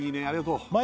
ありがとう